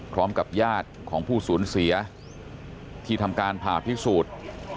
พร้อมกับญาติของผู้สูญเสียที่ทำการผ่าพิสูจน์